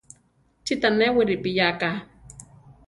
¿Chí tanéwi ripiyáka.